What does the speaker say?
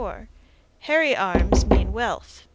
Hairy arms mean wealth.